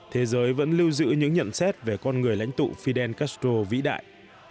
thế giới vẫn lưu giữ những nhận xét về con người lãnh tụ fidel castro vĩ đại